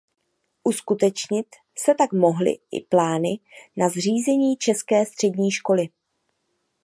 Uskutečnit se tak mohly i plány na zřízení české střední školy.